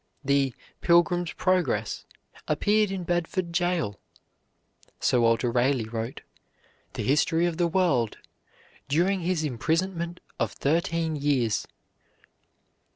The "Pilgrim's Progress" appeared in Bedford Jail, Sir Walter Raleigh wrote "The History of the World" during his imprisonment of thirteen years.